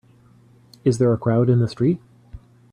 Is there a crowd in the street?